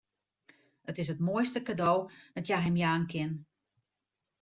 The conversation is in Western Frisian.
It is it moaiste kado dat hja him jaan kin.